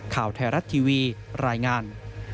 ข่าวไทยรัฐทีวีรายงาน